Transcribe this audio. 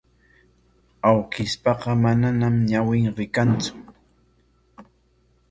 Awkishpaqa manañam ñawin rikantsu.